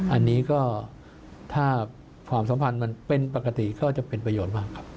อันนี้ก็ถ้าความสัมพันธ์มันเป็นปกติก็จะเป็นประโยชน์มากครับ